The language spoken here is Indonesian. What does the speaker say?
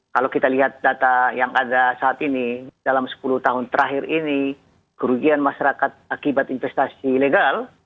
kalau kita lihat data yang ada saat ini dalam sepuluh tahun terakhir ini kerugian masyarakat akibat investasi ilegal